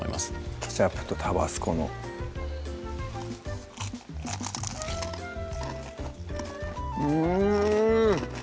ケチャップとタバスコのうん！